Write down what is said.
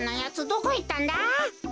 どこいったんだ？